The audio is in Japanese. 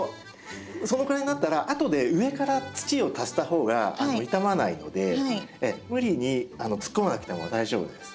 そのくらいになったら後で上から土を足した方が傷まないので無理に突っ込まなくても大丈夫です。